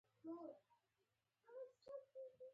بيا يې تر مټ ونيوم.